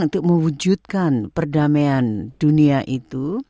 untuk mewujudkan perdamaian dunia itu